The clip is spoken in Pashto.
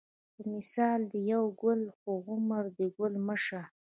په مثال دې یو ګل یې خو عمر دې ګل مه شه